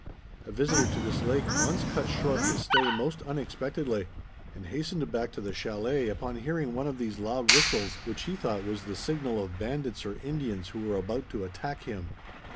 A visitor to this lake once cut short his stay most unexpectedly and hastened back to the chalet upon hearing one of these loud whistles which he thought was the signal of bandits or Indians who were about to attack him.